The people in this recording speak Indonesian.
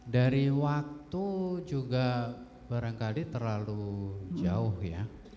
dari waktu juga barangkali terlalu jauh ya